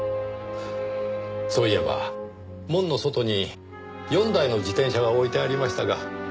そういえば門の外に４台の自転車が置いてありましたが。